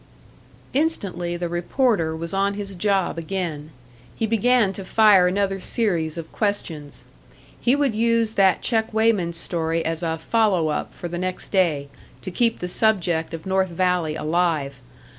Instantly the reporter was on his job again; he began to fire another series of questions. He would use that check weighman story as a "follow up" for the next day, to keep the subject of North Valley alive.